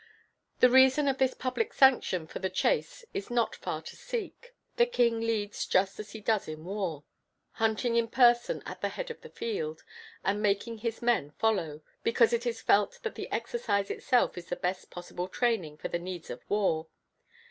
The reason of this public sanction for the chase is not far to seek; the king leads just as he does in war, hunting in person at the head of the field, and making his men follow, because it is felt that the exercise itself is the best possible training for the needs of war.